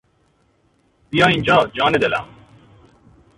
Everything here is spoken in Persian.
بیا اینجا جان دلم.